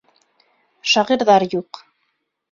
Шағирҙар юҡ.